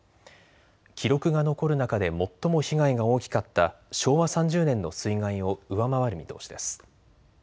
記録が残る中で最も被害が大きかった昭和３０年の水害を上回る見通しです。